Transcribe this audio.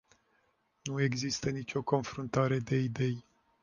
Nu există nicio confruntare de idei.